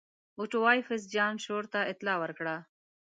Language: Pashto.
اوټوایفز جان شور ته اطلاع ورکړه.